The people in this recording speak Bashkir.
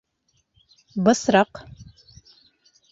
Бысраҡ